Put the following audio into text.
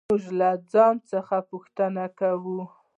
موږ له ځان څخه پوښتنې کوو.